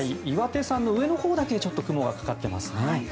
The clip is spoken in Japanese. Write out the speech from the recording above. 岩手山の上のほうだけちょっと雲がかかっていますね。